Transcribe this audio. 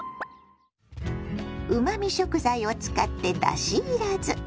うまみ食材を使ってだしいらず。